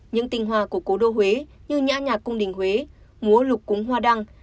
những tinh hoa của cố đô huế như nhã nhạc cung đình huế múa lục cúng hoa đăng